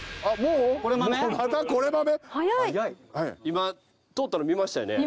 今通ったの見ましたよね？